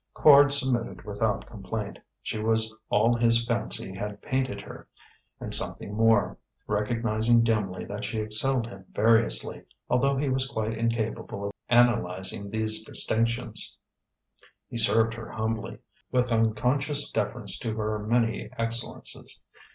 Quard submitted without complaint. She was all his fancy had painted her, and something more; recognizing dimly that she excelled him variously (although he was quite incapable of analyzing these distinctions) he served her humbly, with unconscious deference to her many excellences.